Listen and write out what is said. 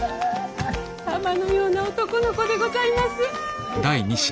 玉のような男の子でございます。